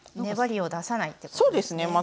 粘りを出さないってことですね？